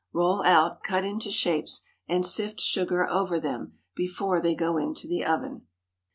Roll out, cut into shapes and sift sugar over them before they go into the oven.